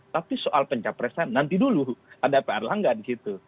tapi soal pencapresen nanti dulu ada pr langga di situ